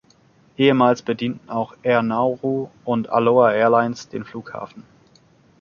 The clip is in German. Ehemals bedienten auch Air Nauru und Aloha Airlines den Flughafen.